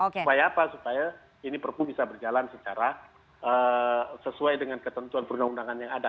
supaya apa supaya ini perpu bisa berjalan sesuai dengan ketentuan perundang undangan yang ada